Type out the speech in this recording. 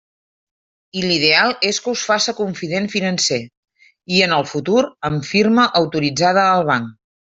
I l'ideal és que us faça confident financer, i en el futur amb firma autoritzada al banc.